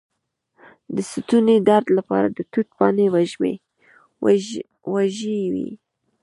د ستوني درد لپاره د توت پاڼې وژويئ